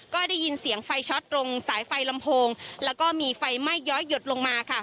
ก็ได้ยินเสียงไฟช็อตตรงสายไฟลำโพงแล้วก็มีไฟไหม้ย้อยหยดลงมาค่ะ